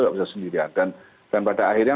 tidak bisa sendirian dan pada akhirnya